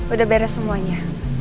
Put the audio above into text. udah beres semuanya